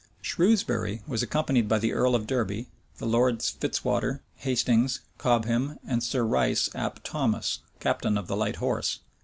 Shrewsbury was accompanied by the earl of Derby, the lords Fitzwater, Hastings, Cobham, and Sir Rice ap Thomas, captain of the light horse.